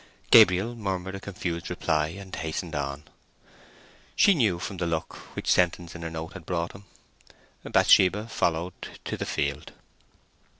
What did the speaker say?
Gabriel murmured a confused reply, and hastened on. She knew from the look which sentence in her note had brought him. Bathsheba followed to the field.